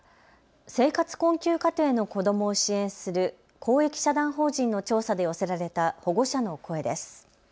生活困窮家庭の子どもを支援する公益社団法人の調査で寄せられた保護者の声です。